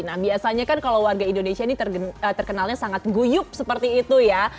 nah biasanya kan kalau warga indonesia ini terkenalnya sangat guyup seperti itu ya